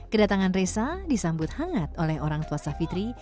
kedatangan resa disambut hangat oleh orangtuat savitri